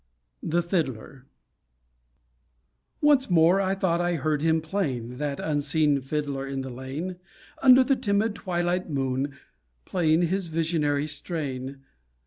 THE FIDDLER Once more I thought I heard him plain, That unseen fiddler in the lane, Under the timid twilight moon, Playing his visionary strain.